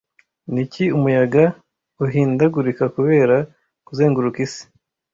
Niki umuyaga uhindagurika kubera kuzenguruka isi